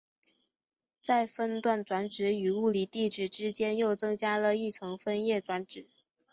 在分段转址与物理地址之间又增加了一层分页转址。